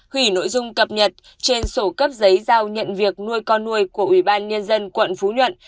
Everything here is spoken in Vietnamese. hủy nội dung cập nhật trên sổ cấp giấy giao nhận việc nuôi con nuôi của ủy ban nhân dân quận phú nhuận